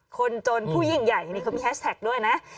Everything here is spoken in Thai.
คนจนผู้ยิ่งใหญ่นี่เขามีแฮชแท็กด้วยนะ